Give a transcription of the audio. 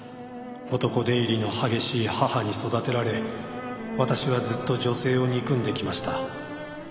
「男出入りの激しい母に育てられ私はずっと女性を憎んできました」